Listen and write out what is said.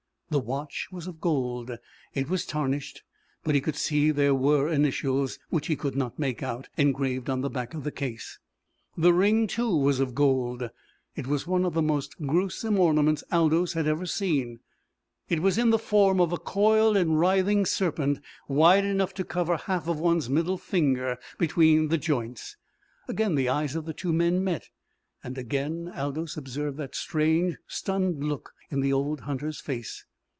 The watch was of gold. It was tarnished, but he could see there were initials, which he could not make out, engraved on the back of the case. The ring, too, was of gold. It was one of the most gruesome ornaments Aldous had ever seen. It was in the form of a coiled and writhing serpent, wide enough to cover half of one's middle finger between the joints. Again the eyes of the two men met, and again Aldous observed that strange, stunned look in the old hunter's face.